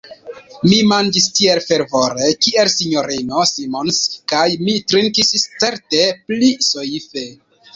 Mi manĝis tiel fervore, kiel S-ino Simons, kaj mi trinkis certe pli soife.